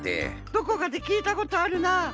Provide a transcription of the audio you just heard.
どこかできいたことあるなぁ。